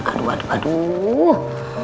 aduh aduh aduh